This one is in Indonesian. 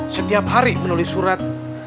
setiap hari menulis surat